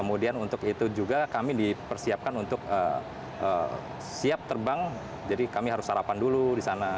kemudian untuk itu juga kami dipersiapkan untuk siap terbang jadi kami harus sarapan dulu di sana